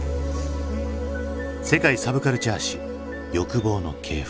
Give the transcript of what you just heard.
「世界サブカルチャー史欲望の系譜」。